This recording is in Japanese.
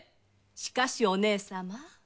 しかしお姉様